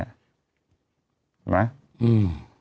เห็นไหม